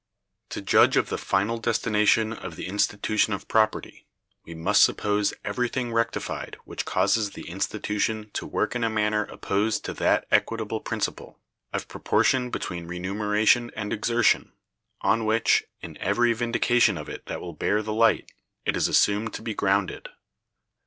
To judge of the final destination of the institution of property, we must suppose everything rectified which causes the institution to work in a manner opposed to that equitable principle, of proportion between remuneration and exertion, on which, in every vindication of it that will bear the light, it is assumed to be grounded.